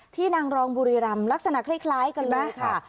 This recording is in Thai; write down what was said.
นางรองบุรีรำลักษณะคล้ายกันเลยค่ะ